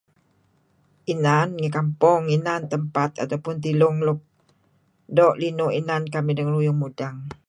Inan ngi kampong, inan tempat atau pun tilung luk doo' linu' inan kamih dengeruyung mudeng.